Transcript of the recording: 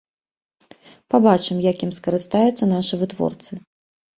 Пабачым, як ім скарыстаюцца нашы вытворцы.